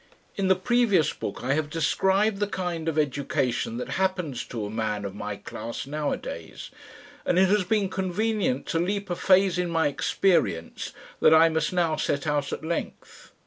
In the previous book I have described the kind of education that happens to a man of my class nowadays, and it has been convenient to leap a phase in my experience that I must now set out at length.